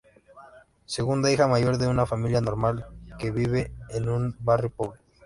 Segunda hija mayor de una familia normal que vive en un barrio pobre.